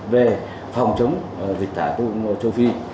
về phòng chống dịch tà châu phi